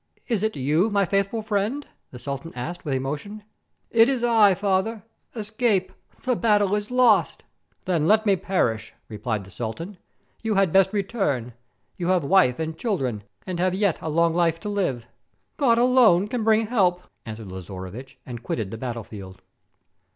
" Is it you, my faithful friend ?" the sultan asked, with emotion. "It is I, father. Escape; the battle is lost!" 466 THE COMING OF THE COMET "Then let me perish," repHed the sultan. "You had best return. You have wife and children, and have yet a long life to live." "God can alone bring help," answered Lazaruvich, and quitted the battle field.